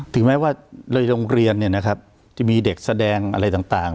ถึงแม้ว่าในโรงเรียนเนี้ยนะครับจะมีเด็กแสดงอะไรต่างต่าง